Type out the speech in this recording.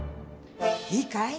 いいかい？